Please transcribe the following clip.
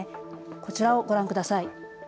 こちらをご覧ください。